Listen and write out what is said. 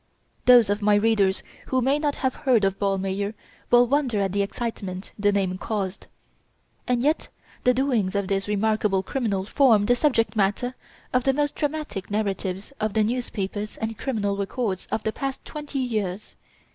Those of my readers who may not have heard of Ballmeyer will wonder at the excitement the name caused. And yet the doings of this remarkable criminal form the subject matter of the most dramatic narratives of the newspapers and criminal records of the past twenty years.